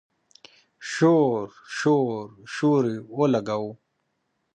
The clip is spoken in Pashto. شور، شور، شور اولګوو